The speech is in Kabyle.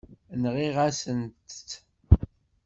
Nɣiɣ-asent-tt.